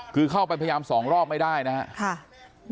คือเข้าไปพยายามสองรอบไม่ได้นะครับ